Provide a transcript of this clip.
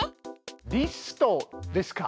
「リスト」ですか？